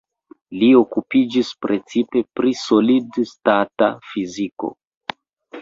Li okupiĝis precipe pri solid-stata fiziko.